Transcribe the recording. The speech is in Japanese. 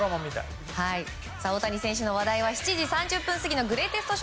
大谷選手の話題は７時３０分過ぎのグレイテスト